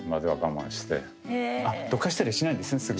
どかしたりしないんですねすぐ。